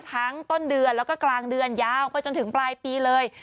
ต้นเดือนแล้วก็กลางเดือนยาวไปจนถึงปลายปีเลย